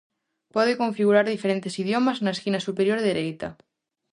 Pode configurar diferentes idiomas na esquina superior dereita.